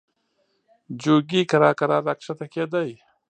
جوګي کرار کرار را کښته کېدی.